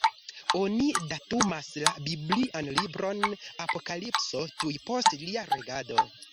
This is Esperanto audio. Oni datumas la biblian libron Apokalipso tuj post lia regado.